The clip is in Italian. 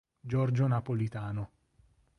Giorgio Napolitano.